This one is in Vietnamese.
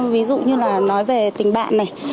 ví dụ như là nói về tình bạn này